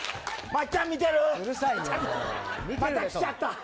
また来ちゃった。